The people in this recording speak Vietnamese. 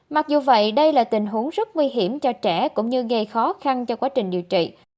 mặc dù vậy đây là tình huống rất nguy hiểm cho trẻ cũng như gây khó khăn cho quá trình điều trị